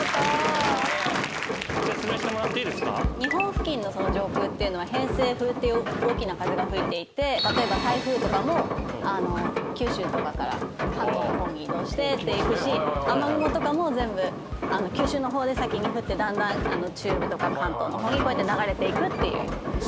日本付近の上空っていうのは偏西風っていう大きな風が吹いていて例えば台風とかも九州とかから関東の方に移動してっていくし雨雲とかも全部九州の方で先に降ってだんだん中部とか関東の方にこうやって流れていくっていう。